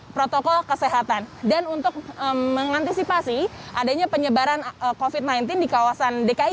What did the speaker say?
protokol kesehatan dan untuk mengantisipasi adanya penyebaran covid sembilan belas di kawasan dki